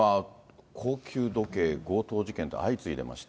高級時計強盗事件って相次いでいまして。